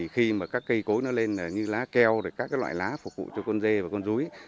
khi các cây cối lên như lá keo các loại lá phục vụ cho con dê và con rúi